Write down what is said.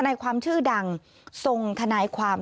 ในความชื่อดังส่งทนายความ